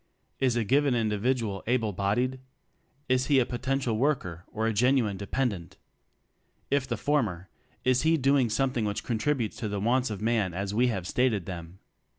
Is a given individual able bodied? Is he a potential worker, or a genuine dependent? If the former, is he doing something which contributes to the wants of man as we have stated them?